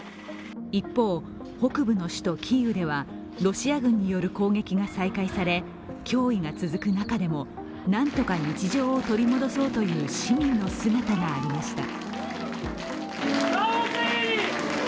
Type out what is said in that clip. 一方、北部の首都キーウではロシア軍による攻撃が再開され脅威が続く中でも何とか日常を取り戻そうという市民の姿がありました。